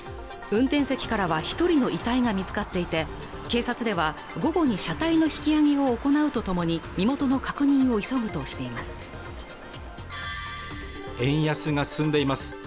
運転席からは一人の遺体が見つかっていて警察では午後に車体の引き上げを行うとともに身元の確認を急ぐとしています